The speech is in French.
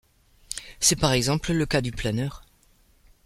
C'est par exemple le cas du planeur.